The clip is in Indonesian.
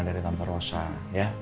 dari tante rosa ya